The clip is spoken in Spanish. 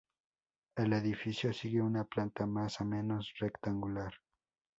El edificio sigue una planta más o menos rectangular.